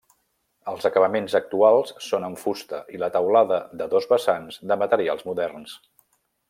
Els acabaments actuals són en fusta i la teulada de dos vessants de materials moderns.